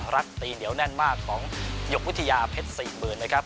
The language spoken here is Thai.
รักตีเหนียวแน่นมากของหยกวิทยาเพชร๔๐๐๐นะครับ